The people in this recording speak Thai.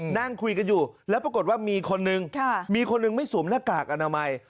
นั่งคุยกันอยู่แล้วปรากฏว่ามีคนนึงมีคนหนึ่งไม่สวมหน้ากากอนามัย